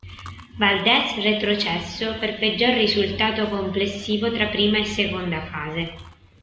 Valdez retrocesso per peggior risultato complessivo tra prima e seconda fase.